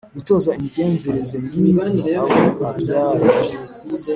gutoza imigenzereze myiza abo abyaye